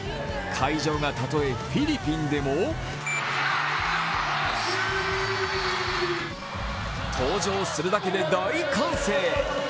会場がたとえフィリピンでも登場するだけで大歓声。